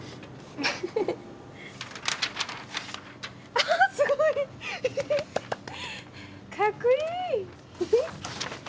ああっすごい！かっこいい！